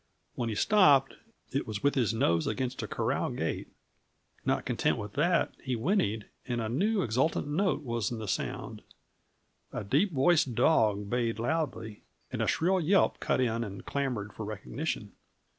When he stopped, it was with his nose against a corral gate; not content with that, he whinnied, and a new, exultant note was in the sound. A deep voiced dog bayed loudly, and a shrill yelp cut in and clamored for recognition.